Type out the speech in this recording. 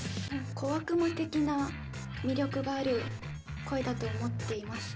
小悪魔的な魅力がある声だと思っています。